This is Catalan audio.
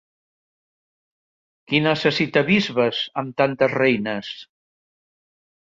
Qui necessita bisbes amb tantes reines?